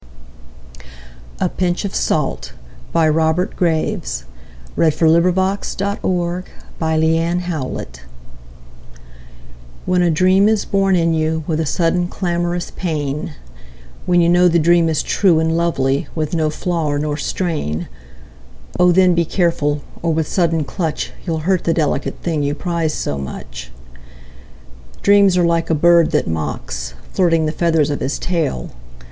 A Pinch of Salt WHEN a dream is born in you With a sudden clamorous pain, When you know the dream is true And lovely, with no flaw nor strain, O then, be careful, or with sudden clutch You'll hurt the delicate thing you prize so much. Dreams are like a bird that mocks, Flirting the feathers of his tail.